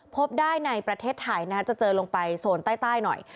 พบได้ในประเทศไทยจะเจอลงไปโซนใต้หน่อย